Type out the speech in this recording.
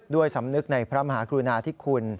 สำนึกในพระมหากรุณาธิคุณ